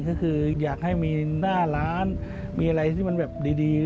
ก็คืออยากให้มีหน้าร้านมีอะไรที่มันแบบดี